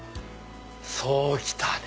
そう来たね。